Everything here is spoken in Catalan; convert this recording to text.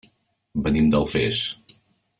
Venim d'Alfés.